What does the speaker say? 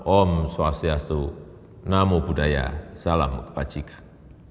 om swastiastu namo buddhaya salam kebajikan